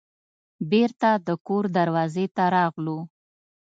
بیرته د کور دروازې ته راغلو.